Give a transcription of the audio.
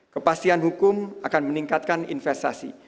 kepastian hukum akan meningkatkan investasi